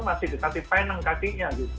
masih dikasih penang kakinya